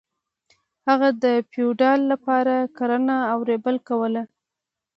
هغه د فیوډال لپاره کرنه او ریبل کول.